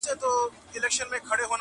د هندوستان نجوني لولي بند به دي کړینه!!